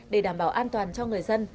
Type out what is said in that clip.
để đảm bảo an toàn cho người dân